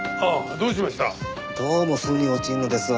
どうも腑に落ちんのですわ。